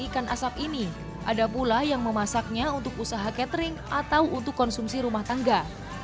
ikan asap ini ada pula yang memasaknya untuk usaha catering atau untuk konsumsi rumah tangga